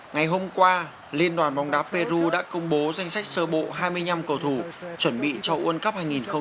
ngày hôm qua liên đoàn bóng đá peru đã công bố danh sách sơ bộ hai mươi năm cầu thủ chuẩn bị cho uân cấp hai nghìn một mươi tám